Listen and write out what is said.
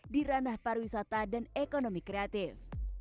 di ranah pariwisata dan ekonomi kreatif